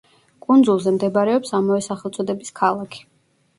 კუნძულზე მდებარეობს ამავე სახელწოდების ქალაქი.